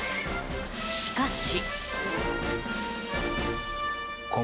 しかし。